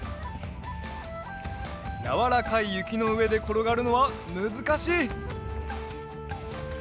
やわらかいゆきのうえでころがるのはむずかしい！